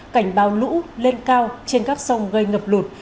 cảnh báo lũ lên cao trên các sông gây ngập lụt